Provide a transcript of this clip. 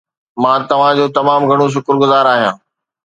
مان توهان جو تمام گهڻو شڪرگذار آهيان